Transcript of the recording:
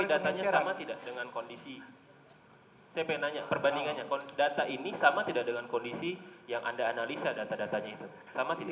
tapi datanya sama tidak dengan kondisi saya pengen nanya perbandingannya data ini sama tidak dengan kondisi yang anda analisa data datanya itu sama tidak